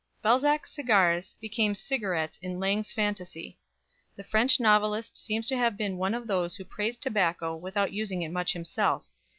Balzac's cigars became cigarettes in Lang's fantasy. The French novelist seems to have been one of those who praised tobacco without using it much himself.